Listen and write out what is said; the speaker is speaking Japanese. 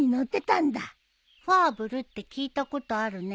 ファーブルって聞いたことあるね。